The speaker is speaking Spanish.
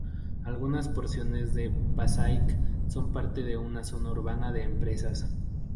Algunas porciones de Passaic son parte de una Zona Urbana de Empresas.